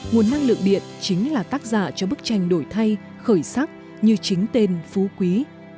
nguồn năng lượng điện chính là tác giả cho bức tranh đổi thay khởi sắc như chính tên phú quý